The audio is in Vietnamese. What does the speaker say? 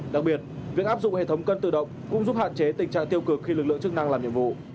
đặc biệt việc áp dụng hệ thống cân tự động cũng giúp hạn chế tình trạng tiêu cực khi lực lượng chức năng làm nhiệm vụ